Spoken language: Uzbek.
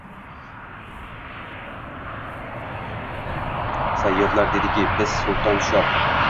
Sayyodlar dediki: „Bizlar Sulton, Shoh